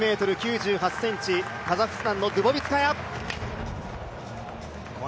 １ｍ９８ｃｍカザフスタンのドゥボビツカヤ。